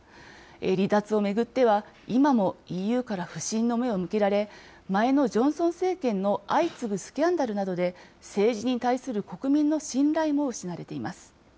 離脱を巡っては、今もＥＵから不信の目を向けられ、前のジョンソン政権の相次ぐスキャンダルなどで、政治に対する国民の信頼も失われています。